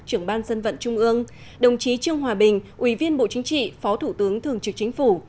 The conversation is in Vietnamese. trưởng ban dân vận trung ương đồng chí trương hòa bình ủy viên bộ chính trị phó thủ tướng thường trực chính phủ